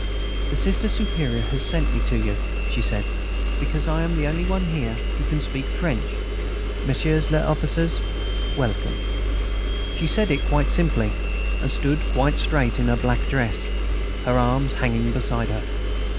"The Sister Superior has sent me to you," she said, "because I am the only one here who can speak French.... Messieurs les officiers, welcome." She said it quite simply, and stood quite straight in her black dress, her arms hanging beside her.